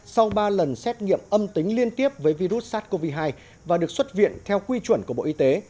sau ba lần xét nghiệm âm tính liên tiếp với virus sars cov hai và được xuất viện theo quy chuẩn của bộ y tế